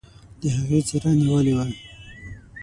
د هغې څيره نيولې وه.